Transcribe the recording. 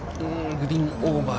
グリーンオーバー。